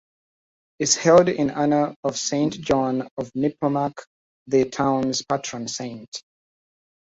It is held in honor of Saint John of Nepomuk, the town's patron saint.